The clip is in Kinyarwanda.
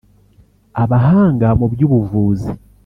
Abahanga mu by’ubuvuzi